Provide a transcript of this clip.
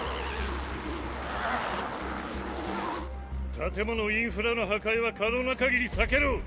建物インフラの破壊は可能なかぎり避けろ。